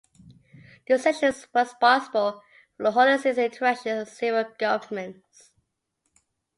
The Section is responsible for the Holy See's interactions with civil governments.